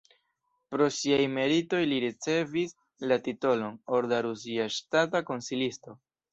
Pro siaj meritoj li ricevis la titolon "Orda rusia ŝtata konsilisto".